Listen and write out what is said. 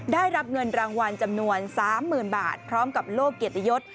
ได้รับเงินรางวัลจำนวน๓๐๐๐บาทพร้อมกับโลกเกียรติยศ